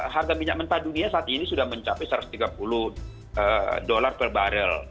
harga minyak mentah dunia saat ini sudah mencapai satu ratus tiga puluh dolar per barrel